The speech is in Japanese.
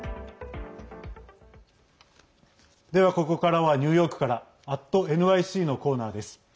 ここからはニューヨークから「＠ｎｙｃ」のコーナーです。